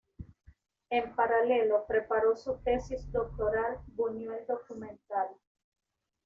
En paralelo preparó su tesis doctoral "Buñuel documental.